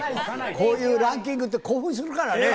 こういうランキングって興奮するからね。